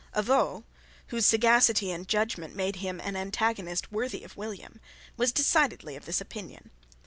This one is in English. Avaux, whose sagacity and judgment made him an antagonist worthy of William, was decidedly of this opinion.